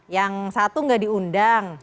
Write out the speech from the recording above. yang satu enggak diundang